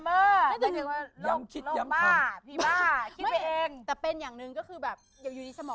นี่อัศวินหรือว่านี่จะเป็นอัลไซเมอร์ต่ออายุ๓๐หรือเปล่า